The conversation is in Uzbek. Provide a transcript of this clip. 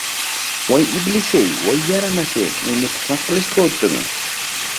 Voy iblis-ey! Voy yaramas-ey! Endi tuhmat qilishga o‘tdimi?